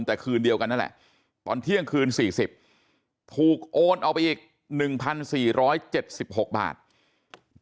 แต่คืนเดียวกันนั่นแหละตอนเที่ยงคืน๔๐ถูกโอนออกไปอีก๑๔๗๖บาท